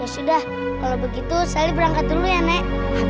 ya sudah kalau begitu saya berangkat dulu nek